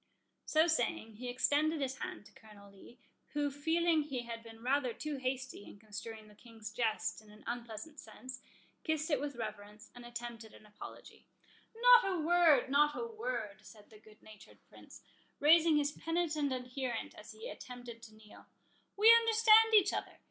So saying, he extended his hand to Colonel Lee, who, feeling he had been rather too hasty in construing the King's jest in an unpleasant sense, kissed it with reverence, and attempted an apology. "Not a word—not a word," said the good natured Prince, raising his penitent adherent as he attempted to kneel; "we understand each other.